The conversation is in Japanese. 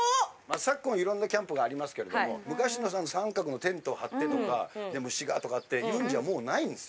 昨今いろんなキャンプがありますけれども昔の三角のテントを張ってとか虫がとかっていうんじゃもうないんですよ。